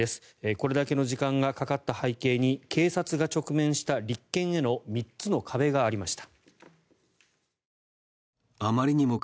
これだけの時間がかかった背景に警察が直面した立件への３つの壁がありました。